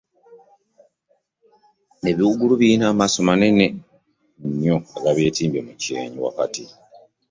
Ebiwuugulu birina amaaso manene nnyo agabyetimbye mu kyenyi wakati.